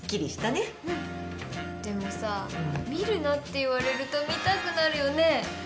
でもさ見るなって言われると見たくなるよね？